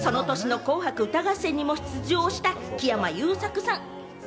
その年の『紅白歌合戦』にも出場した木山裕策さん。